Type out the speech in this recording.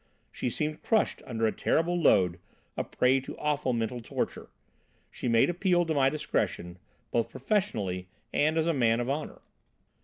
She seemed crushed under a terrible load, a prey to awful mental torture. She made appeal to my discretion, both professionally and as a man of honour.